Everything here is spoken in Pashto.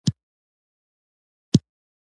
په کورنۍ کې د ماشومانو د خلاقیت ملاتړ کول اړین دی.